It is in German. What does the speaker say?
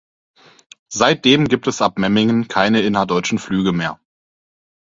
Seitdem gibt es ab Memmingen keine innerdeutschen Flüge mehr.